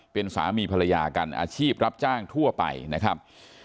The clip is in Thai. เป็นสามีภรรยากันอาชีพรับจ้างทั่วไปนะครับ